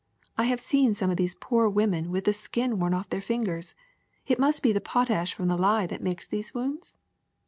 ^'I have seen some of these poor women with the skin worn off their fingers. It must be the potash from the lye that makes these wounds